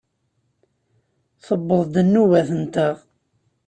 Tewweḍ-d nnuba-nteɣ!